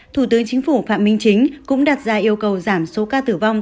thủ tướng chính phủ phạm minh chính cũng đặt ra yêu cầu giảm số ca tử vong